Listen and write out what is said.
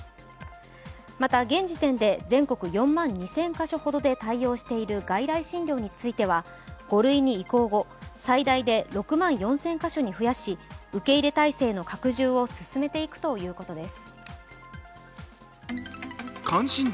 また現時点で全国４万２０００か所ほどで対応している、外来診療については５類に移行後、最大で６万４０００か所に増やし、受け入れ体制の拡充を進めていくということです。